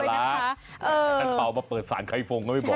ค่ะค่ะท่านเบามาเปิดสารไข้ฟงก็ไม่บอก